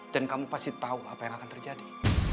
dan kamu pasti tahu apa yang akan terjadi